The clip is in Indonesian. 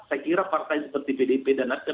saya kira partai seperti pdip dan nasdem